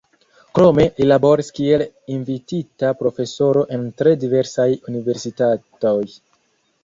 Krome li laboris kiel invitita profesoro en tre diversaj universitatoj.